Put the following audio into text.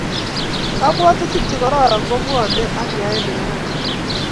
kapwatutik chekororon kubwoni ak yaet nekararan